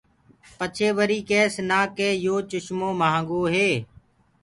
پڇي وو ڪيس نآ ڪي يو چسمو مهآنگو هي۔